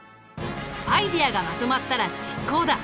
アイデアがまとまったら実行だ！